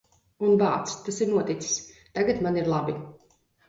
Un, bāc, tas ir noticis. Tagad man ir labi.